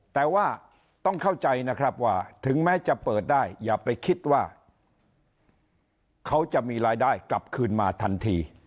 แต่ว่าต้องเข้าใจนะครับว่าถึงแม้จะเปิดได้อย่าไปคิดว่าเขาจะมีรายได้กลับคืนมาทันที